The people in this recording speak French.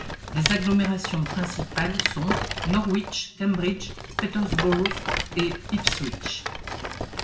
Les agglomérations principales sont Norwich, Cambridge, Peterborough et Ipswich.